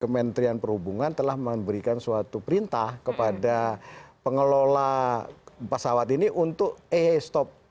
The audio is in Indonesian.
kementerian perhubungan telah memberikan suatu perintah kepada pengelola pesawat ini untuk ay stop